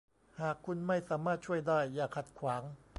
หากคุณไม่สามารถช่วยได้อย่าขัดขวาง